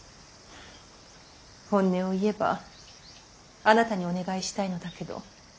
本音を言えばあなたにお願いしたいのだけど。